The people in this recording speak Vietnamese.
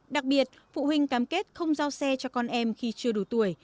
đặc biệt phụ huynh cam kết không giao xe cho con em khi chưa đủ tuổi